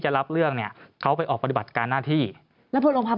รับเรื่องเนี่ยเขาไปออกปฏิบัติการหน้าที่แล้วพอโรงพัก